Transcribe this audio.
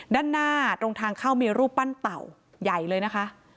ด้านหน้าตรงทางเข้ามีรูปปั้นเต่าใหญ่เลยนะคะ